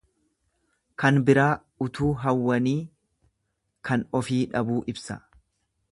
Kan biraa utuu hawwanii kan ofii dhabuu ibsa.